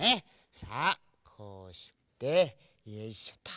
さあこうしてよいしょと。